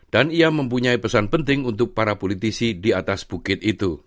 dan ia mempunyai pesan penting untuk para politisi di atas bukit itu